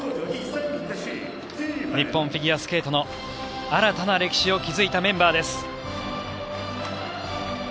日本フィギュアスケートの新たな歴史を築いたメンバーです。